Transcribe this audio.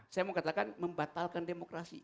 saya mau katakan membatalkan demokrasi